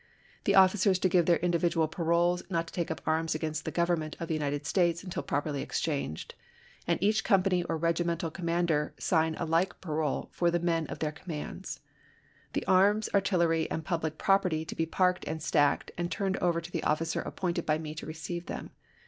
The officers to give their individual paroles not to take up arms against the Government of the United States until properly exchanged j and each company or regimental commander sign a like parole for the men of their commands. The arms, artillery, and public property to be parked and stacked, and turned over to the officer appointed by me to receive them.